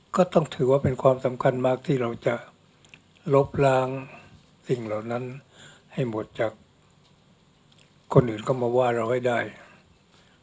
ก็ต้องถือว่าเป็นความสำคัญมากที่เราจะลบล้างสิ่งเหล่านั้นให้หมดจากคนอื่นก็มาว่าเราให้ได้หรืออย่างน้อยก็ให้ลดลงทุกปีทุกปีทุกปี